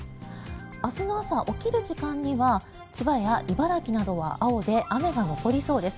明日の朝、起きる時間には千葉や茨城などは青で雨が残りそうです。